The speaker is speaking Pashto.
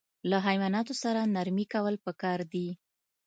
له حیواناتو سره نرمي کول پکار دي.